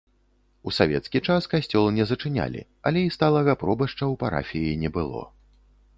У савецкі час касцёл не зачынялі, але і сталага пробашча ў парафіі не было.